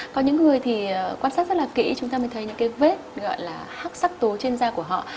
có những người thì quan sát rất là kỹ chúng ta mới thấy những cái vết gọi là hắc sắc tố trên da của họ